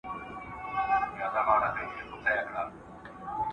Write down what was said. موږ ته بايد د خدمت په خاطر ترجيح راکړي.